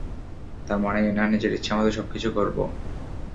তার মানে এই না, নিজের ইচ্ছামতো সবকিছু করব।